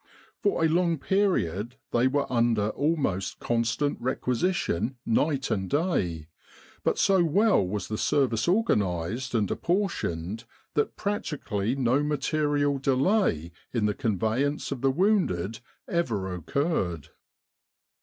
For a long period they were under almost constant requisition night and day, but so well was 39 With the R.A.M.C. in Egypt the service organised and apportioned that practically no material delay in the conveyance of the wounded ever occurred.